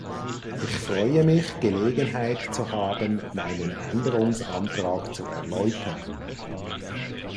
Ich freue mich, Gelegenheit zu haben, meinen Änderungsantrag zu erläutern.